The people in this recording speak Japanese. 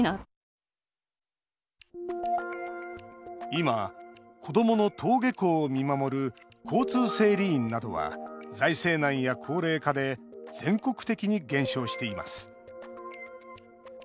今、子どもの登下校を見守る交通整理員などは財政難や高齢化で全国的に減少しています。